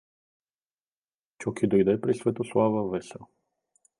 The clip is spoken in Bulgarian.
Чоки дойде при Светослава весел.